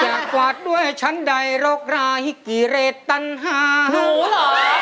จะกวาดด้วยฉันใดรกราฮิกิเรตตัณหาหนูเหรอ